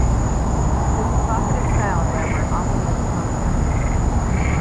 His provocative style however often led to controversies.